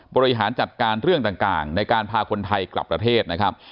บริหารจัดการเรื่องต่างในการพาคนไทยกลับประเทศนะครับ